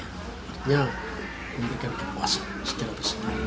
artinya membuatku puas sederhana